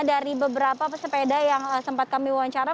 dari beberapa pesepeda yang sempat kami wawancara